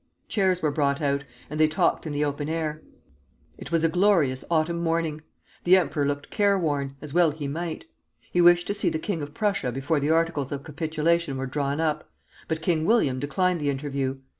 Chairs were brought out, and they talked in the open air. It was a glorious autumn morning. The emperor looked care worn, as well he might. He wished to see the king of Prussia before the articles of capitulation were drawn up: but King William declined the interview.